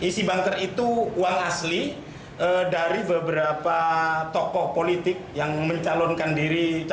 isi banker itu uang asli dari beberapa tokoh politik yang mencalonkan diri